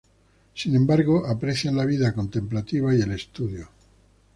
Sin embargo aprecian la vida contemplativa y el estudio.